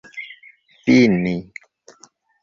fini